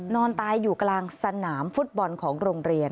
นอนตายอยู่กลางสนามฟุตบอลของโรงเรียน